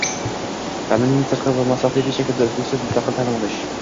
taʼlimning sirtqi va masofaviy shaklida uzluksiz mustaqil taʼlim olish